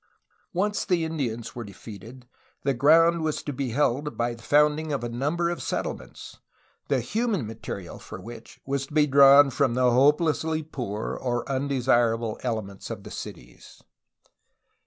Once the Indians were de feated the ground was to be held by the founding of a number of settlements, the human material for which was to be drawn from the hopelessly poor or undesirable elements of the cities.